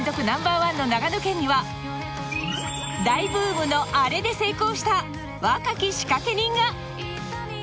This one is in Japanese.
ナンバーワンの長野県には大ブームのあれで成功した若き仕掛け人が！